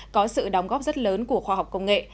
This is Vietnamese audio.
có sự đóng góp rất lớn của khoa học công nghệ